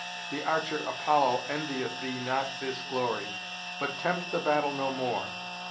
The archer Apollo envieth thee not this glory. But tempt the battle no more."